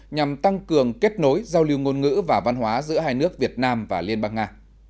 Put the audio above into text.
nhằm tăng cường kết nối giao lưu ngôn ngữ và văn hóa giữa hai nước việt nam và liên bang nga